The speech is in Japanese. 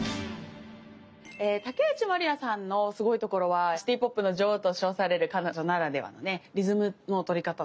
え竹内まりやさんのスゴいところは「シティーポップの女王」と称される彼女ならではのねリズムの取り方とか。